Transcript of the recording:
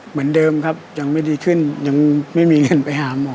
เหมือนเดิมครับยังไม่ดีขึ้นยังไม่มีเงินไปหาหมอ